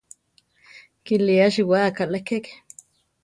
Kilí asiwá kaʼlá keke.